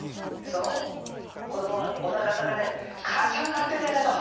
その子どもはおなかの中で「母ちゃん待っててね」と。